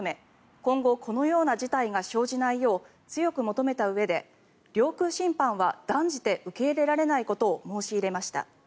今後このような事態が生じないよう強く求めたうえで領空侵犯は断じて受け入れられないことを申し入れました。